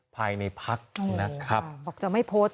ภายในพักนะครับอ๋อเหรอค่ะออกจะไม่โพสต์